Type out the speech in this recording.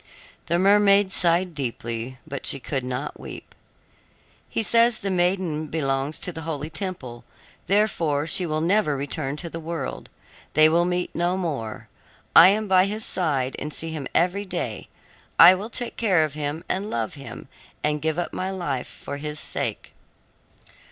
The mermaid sighed deeply, but she could not weep. "He says the maiden belongs to the holy temple, therefore she will never return to the world they will meet no more. I am by his side and see him every day. I will take care of him, and love him, and give up my life for his sake."